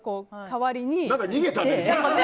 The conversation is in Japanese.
代わりに。